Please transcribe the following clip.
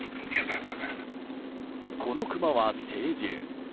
このクマは成獣。